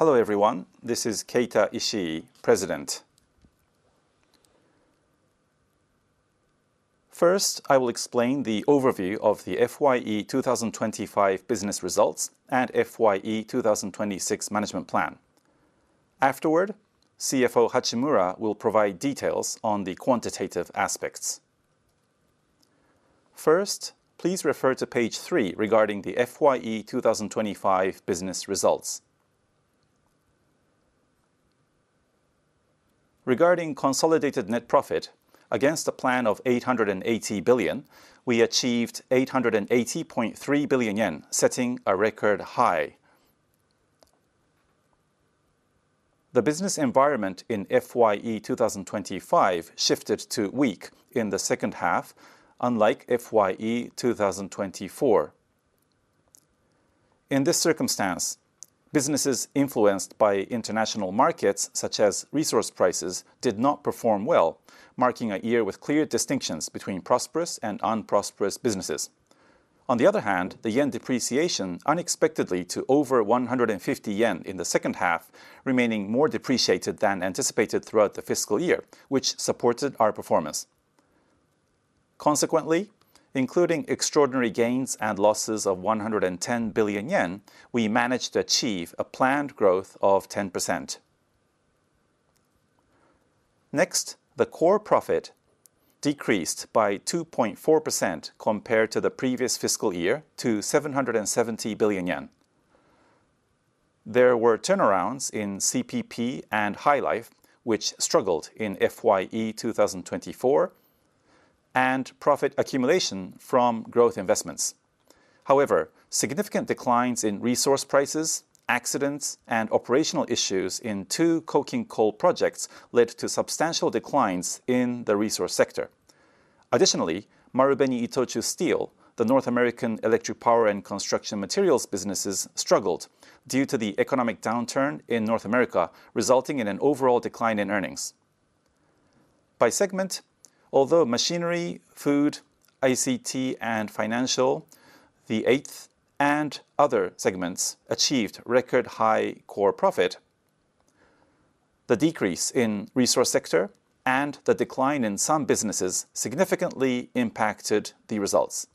Hello everyone, this is Keita Ishii, President. First, I will explain the overview of the FYE 2025 business results and FYE 2026 management plan. Afterward, CFO Hachimura will provide details on the quantitative aspects. First, please refer to page 3 regarding the FYE 2025 business results. Regarding consolidated net profit, against a plan of 880 billion, we achieved 880.3 billion yen, setting a record high. The business environment in FYE 2025 shifted to weak in the second half, unlike FYE 2024. In this circumstance, businesses influenced by international markets, such as resource prices, did not perform well, marking a year with clear distinctions between prosperous and unprosperous businesses. On the other hand, the yen depreciation unexpectedly to over 150 yen in the second half remained more depreciated than anticipated throughout the fiscal year, which supported our performance. Consequently, including extraordinary gains and losses of 110 billion yen, we managed to achieve a planned growth of 10%. Next, the core profit decreased by 2.4% compared to the previous fiscal year to 770 billion yen. There were turnarounds in CPP and HyLife, which struggled in FYE 2024, and profit accumulation from growth investments. However, significant declines in resource prices, accidents, and operational issues in two coking coal projects led to substantial declines in the resource sector. Additionally, Marubeni-Itochu Steel, the North American Electric Power and Construction Materials businesses, struggled due to the economic downturn in North America, resulting in an overall decline in earnings. By segment, although machinery, food, ICT, and financial, the eighth, and other segments, achieved record high core profit. The decrease in resource sector and the decline in some businesses significantly impacted the results.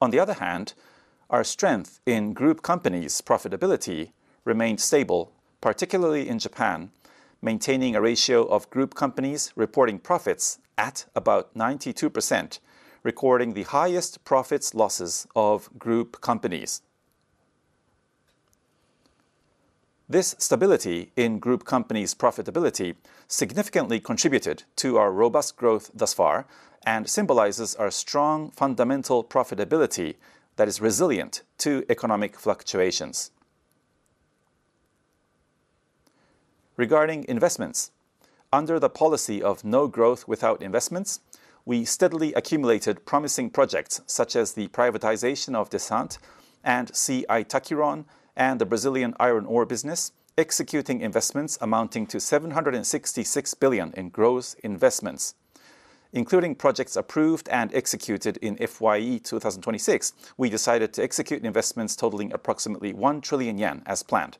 On the other hand, our strength in group companies' profitability remained stable, particularly in Japan, maintaining a ratio of group companies reporting profits at about 92%, recording the highest profits/losses of group companies. This stability in group companies' profitability significantly contributed to our robust growth thus far and symbolizes our strong fundamental profitability that is resilient to economic fluctuations. Regarding investments, under the policy of no growth without investments, we steadily accumulated promising projects such as the privatization of Descente and C.I. TAKIRON, and the Brazilian iron ore business, executing investments amounting to 766 billion in gross investments. Including projects approved and executed in FYE 2026, we decided to execute investments totaling approximately 1 trillion yen as planned.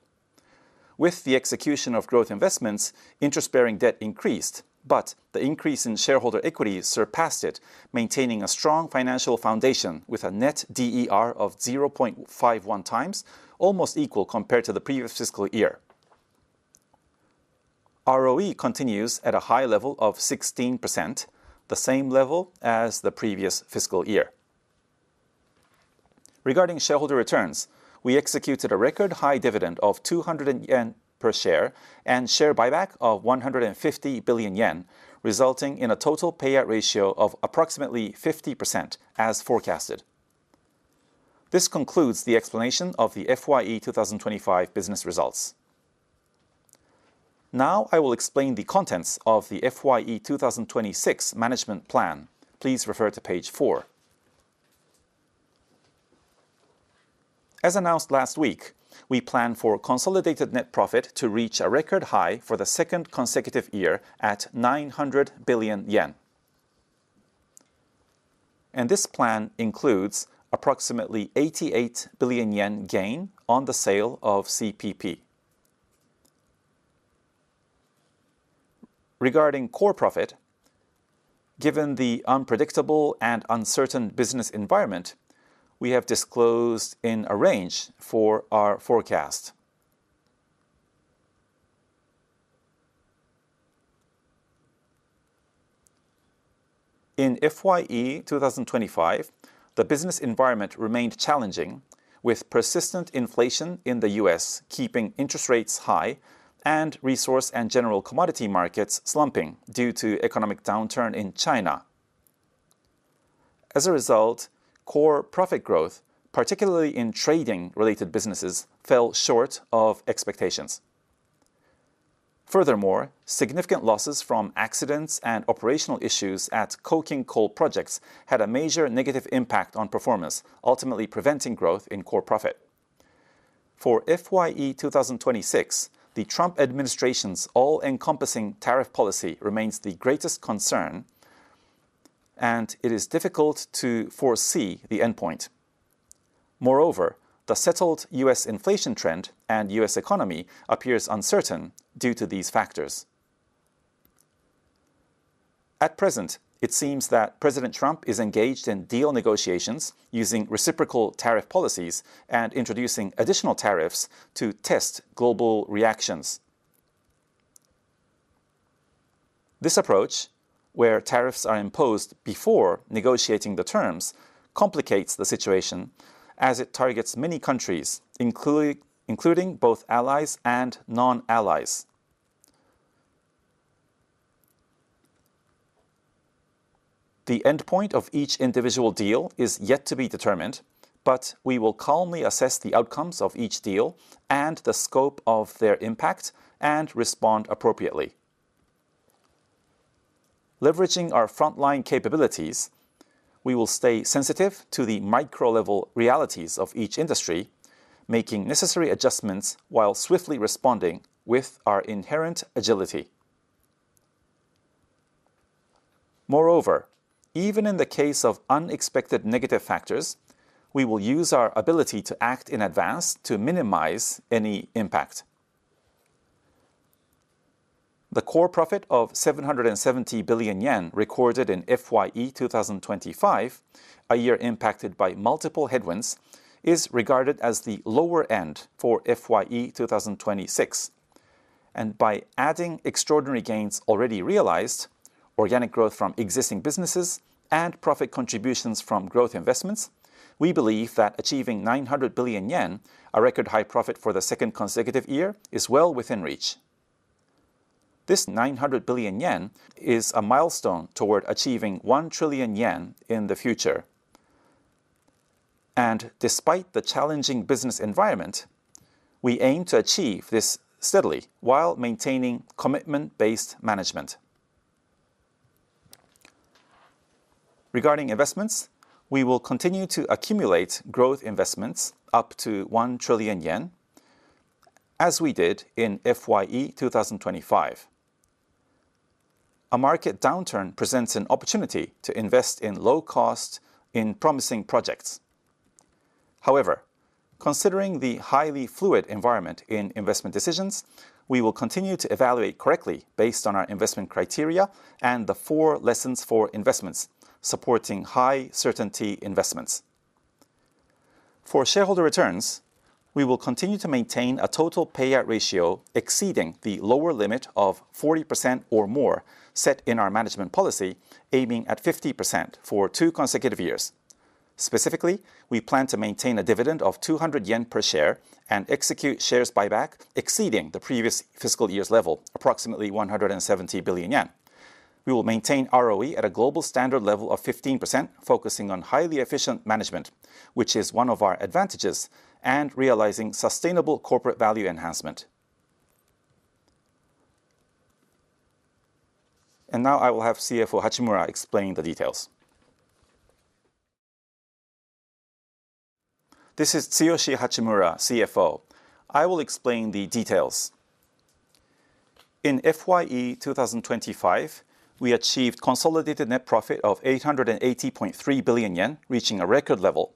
With the execution of growth investments, interest-bearing debt increased, but the increase in shareholder equity surpassed it, maintaining a strong financial foundation with a net DER of 0.51 times, almost equal compared to the previous fiscal year. ROE continues at a high level of 16%, the same level as the previous fiscal year. Regarding shareholder returns, we executed a record high dividend of 200 yen per share and share buyback of 150 billion yen, resulting in a total payout ratio of approximately 50% as forecasted. This concludes the explanation of the FYE 2025 business results. Now I will explain the contents of the FYE 2026 management plan. Please refer to page 4. As announced last week, we plan for consolidated net profit to reach a record high for the second consecutive year at 900 billion yen. This plan includes approximately 88 billion yen gain on the sale of CPP. Regarding core profit, given the unpredictable and uncertain business environment, we have disclosed a range for our forecast. In FYE 2025, the business environment remained challenging, with persistent inflation in the U.S. keeping interest rates high and resource and general commodity markets slumping due to the economic downturn in China. As a result, core profit growth, particularly in trading-related businesses, fell short of expectations. Furthermore, significant losses from accidents and operational issues at coking coal projects had a major negative impact on performance, ultimately preventing growth in core profit. For FYE 2026, the Trump administration's all-encompassing tariff policy remains the greatest concern, and it is difficult to foresee the endpoint. Moreover, the settled U.S. inflation trend and U.S. economy appear uncertain due to these factors. At present, it seems that President Trump is engaged in deal negotiations using reciprocal tariff policies and introducing additional tariffs to test global reactions. This approach, where tariffs are imposed before negotiating the terms, complicates the situation as it targets many countries, including both allies and non-allies. The endpoint of each individual deal is yet to be determined, but we will calmly assess the outcomes of each deal and the scope of their impact and respond appropriately. Leveraging our frontline capabilities, we will stay sensitive to the micro-level realities of each industry, making necessary adjustments while swiftly responding with our inherent agility. Moreover, even in the case of unexpected negative factors, we will use our ability to act in advance to minimize any impact. The core profit of 770 billion yen recorded in FYE 2025, a year impacted by multiple headwinds, is regarded as the lower end for FYE 2026. By adding extraordinary gains already realized, organic growth from existing businesses, and profit contributions from growth investments, we believe that achieving 900 billion yen, a record high profit for the second consecutive year, is well within reach. This 900 billion yen is a milestone toward achieving 1 trillion yen in the future. Despite the challenging business environment, we aim to achieve this steadily while maintaining commitment-based management. Regarding investments, we will continue to accumulate growth investments up to 1 trillion yen, as we did in FYE 2025. A market downturn presents an opportunity to invest in low-cost, promising projects. However, considering the highly fluid environment in investment decisions, we will continue to evaluate correctly based on our investment criteria and the four lessons for investments supporting high certainty investments. For shareholder returns, we will continue to maintain a total payout ratio exceeding the lower limit of 40% or more set in our management policy, aiming at 50% for two consecutive years. Specifically, we plan to maintain a dividend of 200 yen per share and execute share buyback exceeding the previous fiscal year's level, approximately 170 billion yen. We will maintain ROE at a global standard level of 15%, focusing on highly efficient management, which is one of our advantages, and realizing sustainable corporate value enhancement. I will now have CFO Hachimura explain the details. This is Tsuyoshi Hachimura, CFO. I will explain the details. In FYE 2025, we achieved consolidated net profit of 880.3 billion yen, reaching a record level.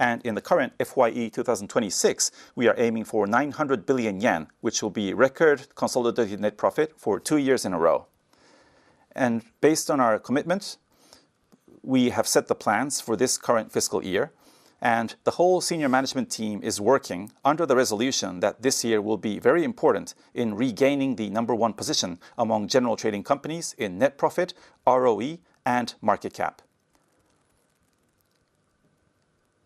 In the current FYE 2026, we are aiming for 900 billion yen, which will be record consolidated net profit for two years in a row. Based on our commitments, we have set the plans for this current fiscal year, and the whole senior management team is working under the resolution that this year will be very important in regaining the number one position among general trading companies in net profit, ROE, and market cap.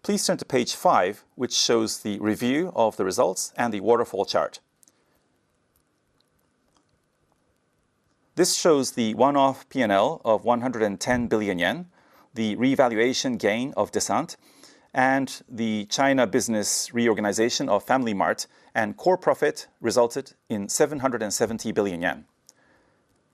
Please turn to page 5, which shows the review of the results and the waterfall chart. This shows the one-off P&L of 110 billion yen, the revaluation gain of Descente, and the China business reorganization of FamilyMart, and core profit resulted in 770 billion yen.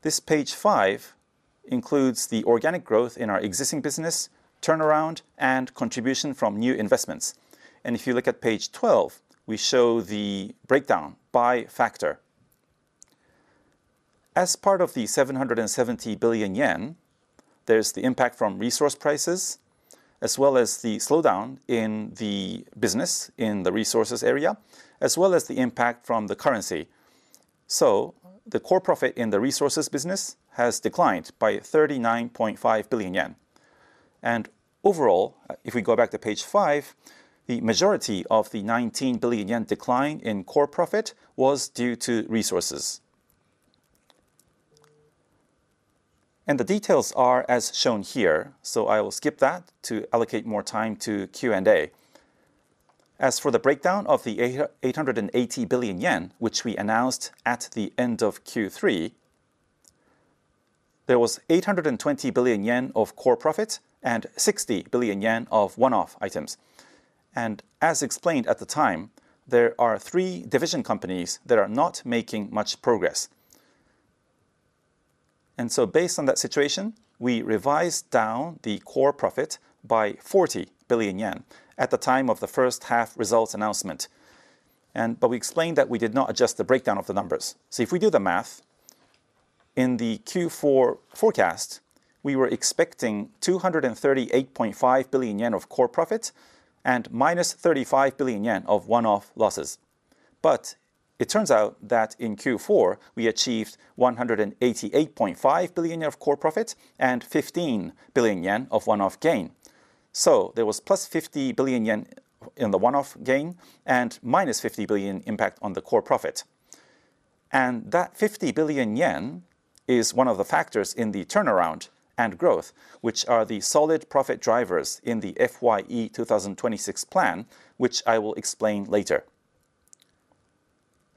This page 5 includes the organic growth in our existing business, turnaround, and contribution from new investments. If you look at page 12, we show the breakdown by factor. As part of the 770 billion yen, there's the impact from resource prices, as well as the slowdown in the business in the resources area, as well as the impact from the currency. The core profit in the resources business has declined by 39.5 billion yen. Overall, if we go back to page 5, the majority of the 19 billion yen decline in core profit was due to resources. The details are as shown here, so I will skip that to allocate more time to Q&A. As for the breakdown of the 880 billion yen, which we announced at the end of Q3, there was 820 billion yen of core profit and 60 billion yen of one-off items. As explained at the time, there are three division companies that are not making much progress. Based on that situation, we revised down the core profit by 40 billion yen at the time of the first half results announcement. We explained that we did not adjust the breakdown of the numbers. If we do the math, in the Q4 forecast, we were expecting 238.5 billion yen of core profit and -35 billion yen of one-off losses. It turns out that in Q4, we achieved 188.5 billion yen of core profit and 15 billion yen of one-off gain. There was +50 billion yen in the one-off gain and -50 billion impact on the core profit. That 50 billion yen is one of the factors in the turnaround and growth, which are the solid profit drivers in the FYE 2026 plan, which I will explain later.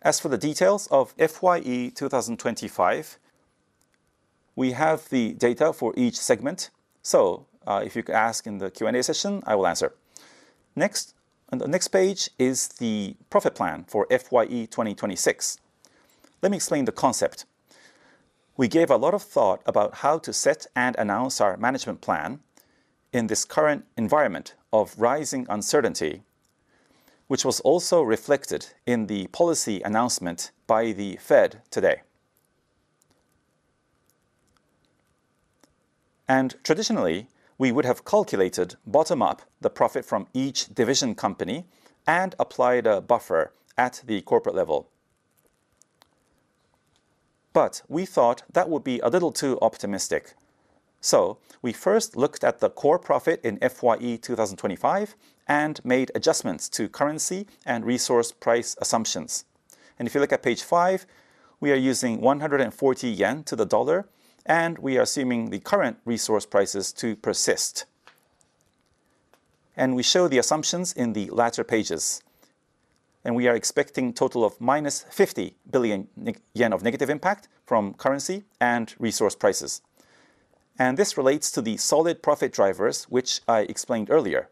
As for the details of FYE 2025, we have the data for each segment. If you could ask in the Q&A session, I will answer. Next, on the next page is the profit plan for FYE 2026. Let me explain the concept. We gave a lot of thought about how to set and announce our management plan in this current environment of rising uncertainty, which was also reflected in the policy announcement by the Fed today. Traditionally, we would have calculated bottom-up the profit from each division company and applied a buffer at the corporate level. We thought that would be a little too optimistic. We first looked at the core profit in FYE 2025 and made adjustments to currency and resource price assumptions. If you look at page 5, we are using 140 yen to the dollar, and we are assuming the current resource prices to persist. We show the assumptions in the latter pages. We are expecting a total of -50 billion yen of negative impact from currency and resource prices. This relates to the solid profit drivers, which I explained earlier.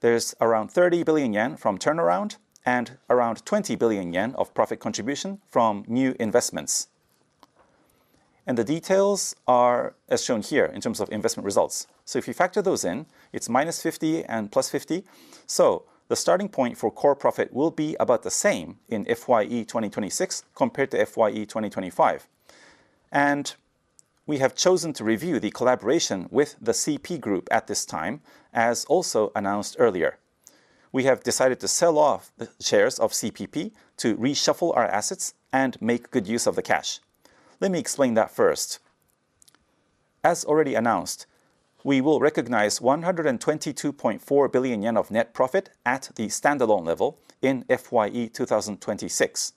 There is around 30 billion yen from turnaround and around 20 billion yen of profit contribution from new investments. The details are as shown here in terms of investment results. If you factor those in, it is -50 billion and +50 billion. The starting point for core profit will be about the same in FYE 2026 compared to FYE 2025. We have chosen to review the collaboration with the CP Group at this time, as also announced earlier. We have decided to sell off the shares of CPP to reshuffle our assets and make good use of the cash. Let me explain that first. As already announced, we will recognize 122.4 billion yen of net profit at the standalone level in FYE 2026.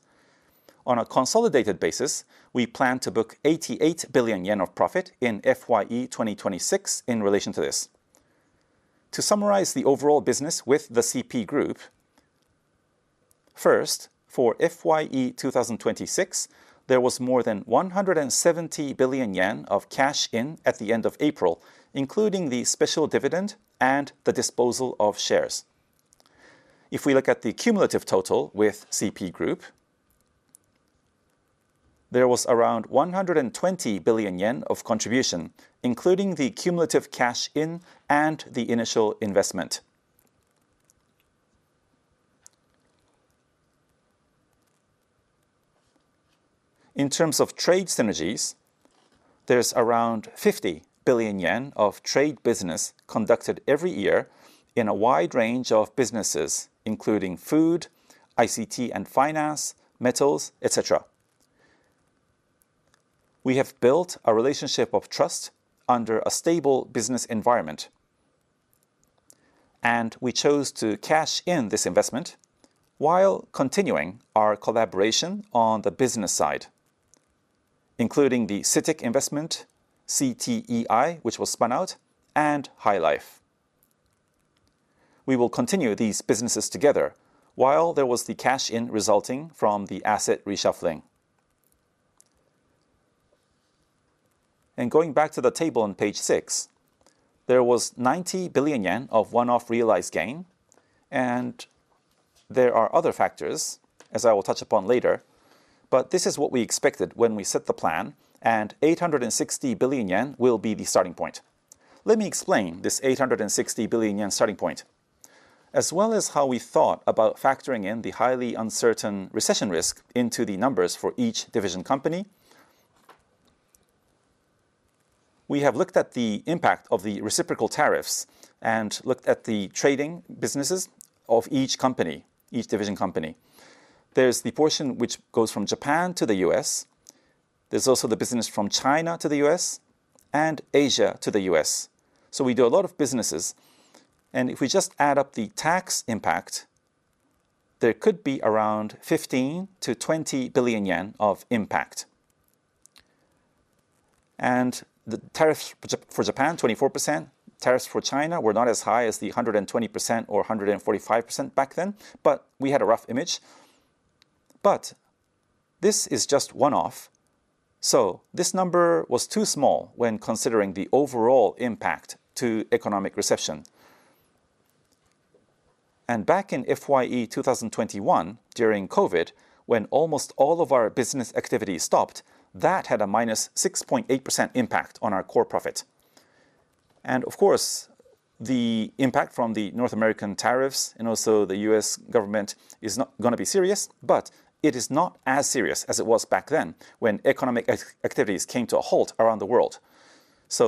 On a consolidated basis, we plan to book 88 billion yen of profit in FYE 2026 in relation to this. To summarize the overall business with the CP Group, first, for FYE 2026, there was more than 170 billion yen of cash in at the end of April, including the special dividend and the disposal of shares. If we look at the cumulative total with CP Group, there was around 120 billion yen of contribution, including the cumulative cash in and the initial investment. In terms of trade synergies, there's around 50 billion yen of trade business conducted every year in a wide range of businesses, including food, ICT and finance, metals, etc. We have built a relationship of trust under a stable business environment, and we chose to cash in this investment while continuing our collaboration on the business side, including the CITIC investment, CTEI, which was spun out, and HyLife. We will continue these businesses together while there was the cash in resulting from the asset reshuffling. Going back to the table on page 6, there was 90 billion yen of one-off realized gain, and there are other factors, as I will touch upon later, but this is what we expected when we set the plan, and 860 billion yen will be the starting point. Let me explain this 860 billion yen starting point, as well as how we thought about factoring in the highly uncertain recession risk into the numbers for each division company. We have looked at the impact of the reciprocal tariffs and looked at the trading businesses of each company, each division company. There's the portion which goes from Japan to the U.S. There's also the business from China to the U.S. and Asia to the U.S. We do a lot of businesses. If we just add up the tax impact, there could be around 15 billion-20 billion yen of impact. The tariffs for Japan, 24%. Tariffs for China were not as high as the 120% or 145% back then, but we had a rough image. This is just one-off. This number was too small when considering the overall impact to economic recession. Back in FYE 2021, during COVID, when almost all of our business activity stopped, that had a minus 6.8% impact on our core profit. Of course, the impact from the North American tariffs and also the U.S. government is not going to be serious, but it is not as serious as it was back then when economic activities came to a halt around the world.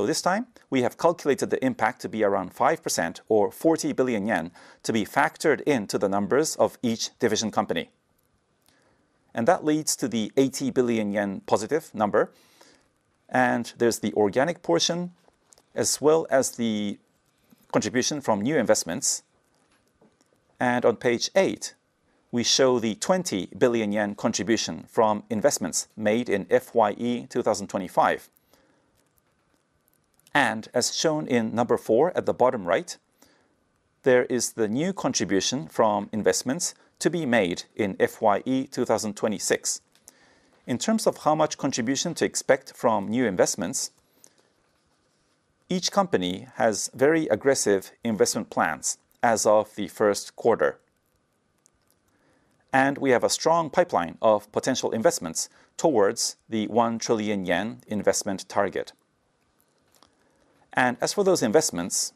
This time, we have calculated the impact to be around 5% or 40 billion yen to be factored into the numbers of each division company. That leads to the 80 billion yen positive number. There is the organic portion, as well as the contribution from new investments. On page 8, we show the 20 billion yen contribution from investments made in FYE 2025. As shown in number 4 at the bottom right, there is the new contribution from investments to be made in FYE 2026. In terms of how much contribution to expect from new investments, each company has very aggressive investment plans as of the first quarter. We have a strong pipeline of potential investments towards the 1 trillion yen investment target. As for those investments,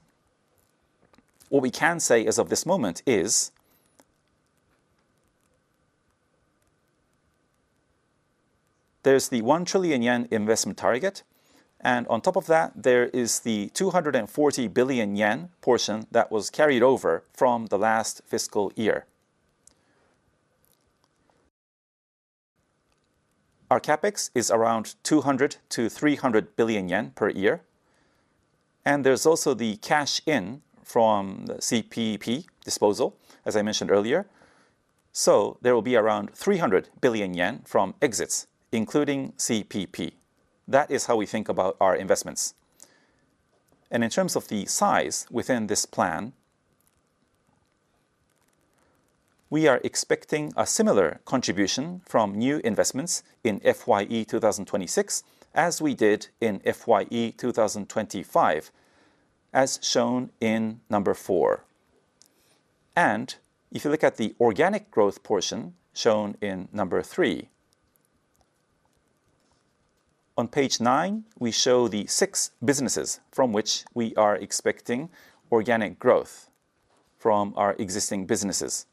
what we can say as of this moment is there is the 1 trillion yen investment target, and on top of that, there is the 240 billion yen portion that was carried over from the last fiscal year. Our CapEx is around 200-300 billion yen per year. There is also the cash in from the CPP disposal, as I mentioned earlier. There will be around 300 billion yen from exits, including CPP. That is how we think about our investments. In terms of the size within this plan, we are expecting a similar contribution from new investments in FYE 2026 as we did in FYE 2025, as shown in number 4. If you look at the organic growth portion shown in number 3, on page 9, we show the six businesses from which we are expecting organic growth from our existing businesses.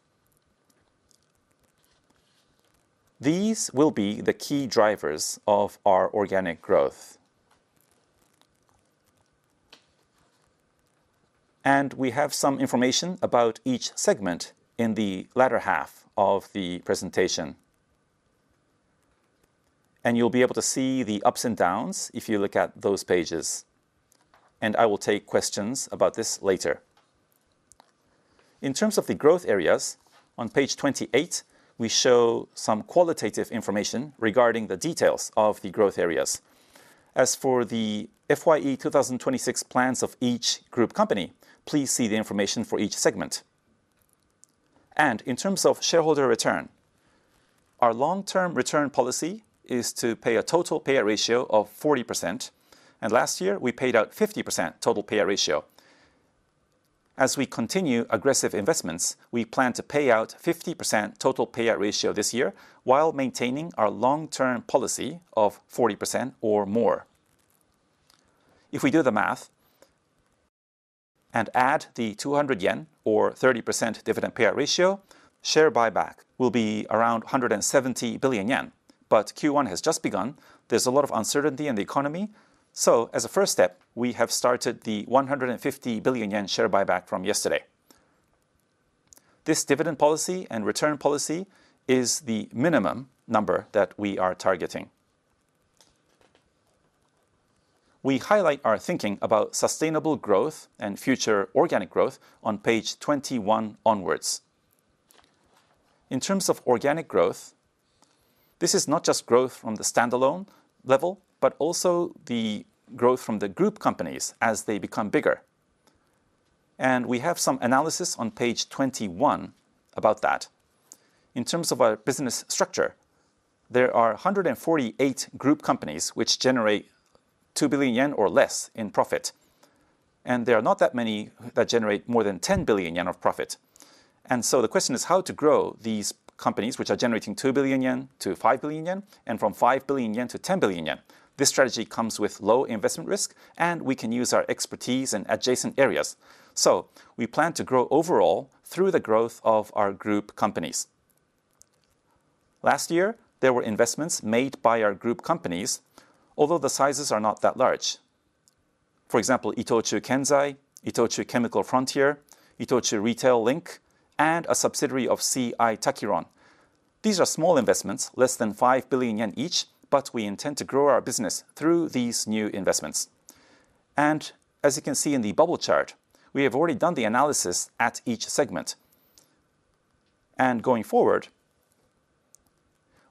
These will be the key drivers of our organic growth. We have some information about each segment in the latter half of the presentation. You will be able to see the ups and downs if you look at those pages. I will take questions about this later. In terms of the growth areas, on page 28, we show some qualitative information regarding the details of the growth areas. As for the FYE 2026 plans of each group company, please see the information for each segment. In terms of shareholder return, our long-term return policy is to pay a total payout ratio of 40%. Last year, we paid out 50% total payout ratio. As we continue aggressive investments, we plan to pay out 50% total payout ratio this year while maintaining our long-term policy of 40% or more. If we do the math and add the 200 yen or 30% dividend payout ratio, share buyback will be around 170 billion yen. Q1 has just begun. There's a lot of uncertainty in the economy. As a first step, we have started the 150 billion yen share buyback from yesterday. This dividend policy and return policy is the minimum number that we are targeting. We highlight our thinking about sustainable growth and future organic growth on page 21 onwards. In terms of organic growth, this is not just growth from the standalone level, but also the growth from the group companies as they become bigger. We have some analysis on page 21 about that. In terms of our business structure, there are 148 group companies which generate 2 billion yen or less in profit. There are not that many that generate more than 10 billion yen of profit. The question is how to grow these companies which are generating 2 billion-5 billion yen and from 5 billion-10 billion yen. This strategy comes with low investment risk, and we can use our expertise in adjacent areas. We plan to grow overall through the growth of our group companies. Last year, there were investments made by our group companies, although the sizes are not that large. For example, ITOCHU KENZAI, ITOCHU CHEMICAL FRONTIER, ITOCHU Retail Link, and a subsidiary of C.I. TAKIRON. These are small investments, less than 5 billion yen each, but we intend to grow our business through these new investments. As you can see in the bubble chart, we have already done the analysis at each segment. Going forward,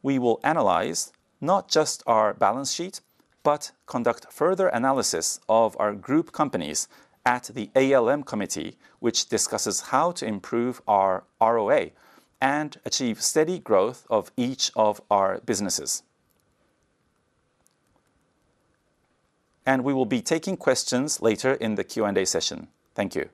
we will analyze not just our balance sheet, but conduct further analysis of our group companies at the ALM committee, which discusses how to improve our ROA and achieve steady growth of each of our businesses. We will be taking questions later in the Q&A session. Thank you.